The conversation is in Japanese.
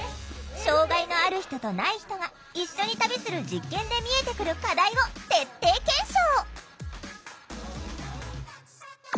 障害のある人とない人が一緒に旅する実験で見えてくる課題を徹底検証！